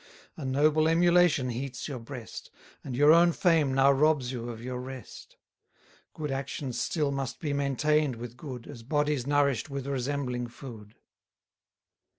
A noble emulation heats your breast, And your own fame now robs you of your rest. Good actions still must be maintain'd with good, As bodies nourish'd with resembling food.